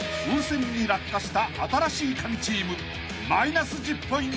［温泉に落下した新しいカギチームマイナス１０ポイント］